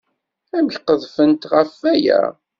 Amek qedfent ɣer waya?